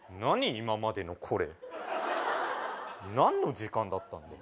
今までのこれ何の時間だったんだよ